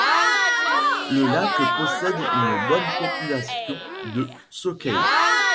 Le lac possède une bonne population de sockeye.